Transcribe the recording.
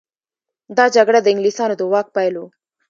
دا جګړه د انګلیسانو د واک پیل و.